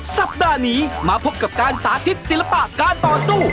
สัปดาห์นี้มาพบกับการสาธิตศิลปะการต่อสู้